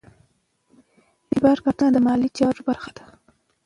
اعتبار کارتونه د مالي چارو برخه ده.